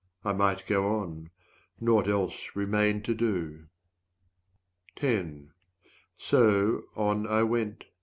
I might go on; naught else remained to do. So, on I went.